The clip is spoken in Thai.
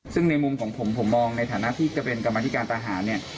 ซึ่งในมุมของผมผมมองในฐานะที่กระเป็นกรรมฤทธิการตาหาร